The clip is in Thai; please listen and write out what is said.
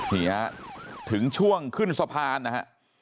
นี่ฮะถึงช่วงขึ้นสะพานนะฮะ